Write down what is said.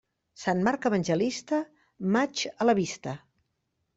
Sant Marc evangelista, maig a la vista.